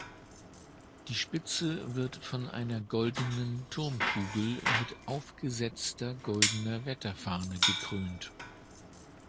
Die Spitze wird von einer goldenen Turmkugel mit aufgesetzter goldener Wetterfahne gekrönt.